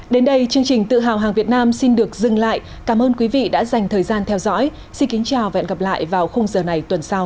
đến đây chương trình tự hào hàng việt nam xin được dừng lại cảm ơn quý vị đã dành thời gian theo dõi xin kính chào và hẹn gặp lại vào khung giờ này tuần sau